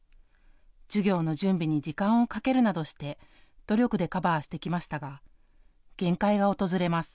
授業の準備に時間をかけるなどして努力でカバーしてきましたが限界が訪れます。